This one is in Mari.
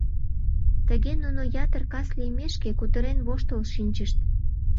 Тыге нуно ятыр кас лиймешке кутырен-воштыл шинчышт.